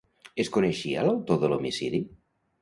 Es coneixia l'autor de l'homicidi?